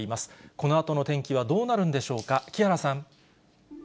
このあとの天気はどうなるんでしょうか、木原さん。